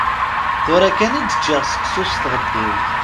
Tura kan i d-ččiɣ seksu s tɣeddiwt.